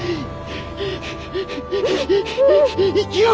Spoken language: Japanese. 生きよう！